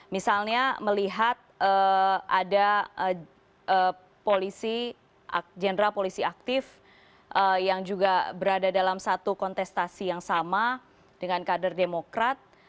misalnya melihat ada polisi general polisi aktif yang juga berada dalam satu kontestasi yang sama dengan kader demokrat